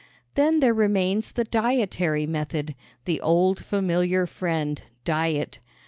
Then there remains the dietary method the old familiar friend, diet.